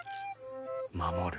守る。